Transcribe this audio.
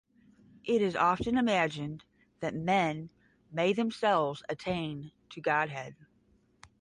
It is often imagined that men may themselves attain to godhead.